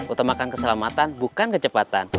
utamakan keselamatan bukan kecepatan